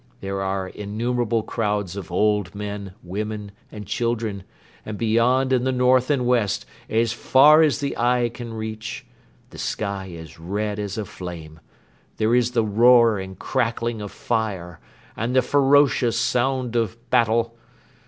... There are innumerable crowds of old men, women and children and beyond in the north and west, as far as the eye can reach, the sky is red as a flame, there is the roar and crackling of fire and the ferocious sound of battle.